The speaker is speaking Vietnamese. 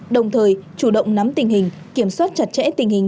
đồng thời chủ động nắm tình hình kiểm soát chặt chẽ tình hình